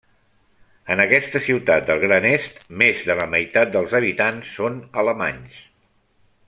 En aquesta ciutat del Gran Est més de la meitat dels habitants són alemanys.